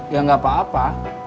ya gak apa apa